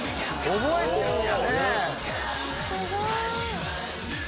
覚えてるんや！